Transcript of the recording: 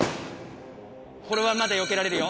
これはまだよけられるよ